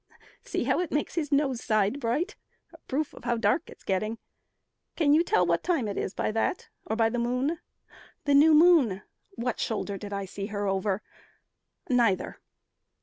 "See how it makes his nose side bright, a proof How dark it's getting. Can you tell what time It is by that? Or by the moon? The new moon! What shoulder did I see her over? Neither.